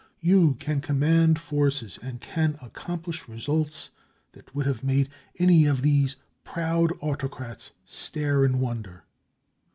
You can command forces and can accomplish results that would have made any of these proud autocrats stare in wonder.